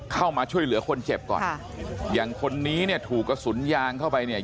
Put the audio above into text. เข้ามาช่วยเหลือคนเจ็บก่อนค่ะอย่างคนนี้เนี่ยถูกกระสุนยางเข้าไปเนี่ย